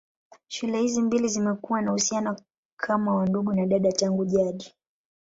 Shule hizi mbili zimekuwa na uhusiano kama wa ndugu na dada tangu jadi.